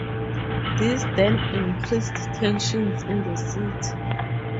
This then increased tensions in the city.